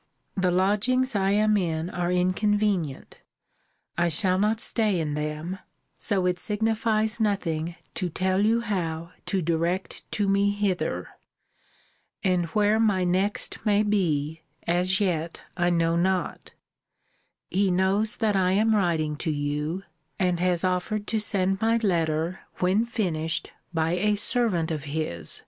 The lodgings I am in are inconvenient. I shall not stay in them: so it signifies nothing to tell you how to direct to me hither. And where my next may be, as yet I know not. He knows that I am writing to you; and has offered to send my letter, when finished, by a servant of his.